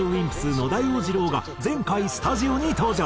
野田洋次郎が前回スタジオに登場。